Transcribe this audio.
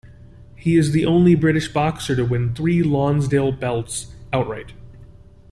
He is the only British boxer to win three Lonsdale Belts outright.